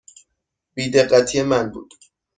بی دقتی من بود.